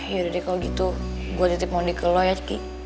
yaudah deh kalau gitu gue titip mondi ke lo ya ki